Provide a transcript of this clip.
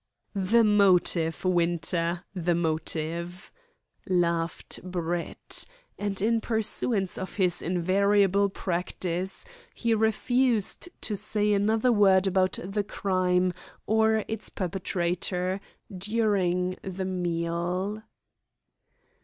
"The motive, Winter! The motive!" laughed Brett, and in pursuance of his invariable practice, he refused to say another word about the crime or its perpetrator during the meal.